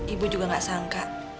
ibu juga gak sangka